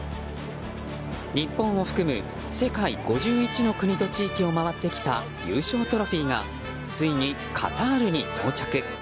日本を含む世界５１の国と地域を回ってきた優勝トロフィーがついにカタールに到着。